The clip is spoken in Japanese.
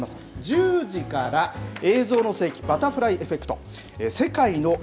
１０時から映像の世紀バタフライエフェクト。